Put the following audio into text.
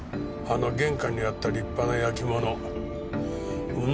あの玄関にあった立派な焼き物うん